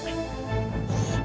akhirnya penderitaan aku selesai juga